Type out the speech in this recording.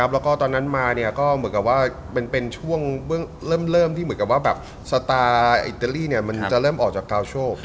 และตอนนั้นมามันเป็นช่วงเริ่มสตาร์อิตาลีจะเริ่มออกจากกล้าวโชค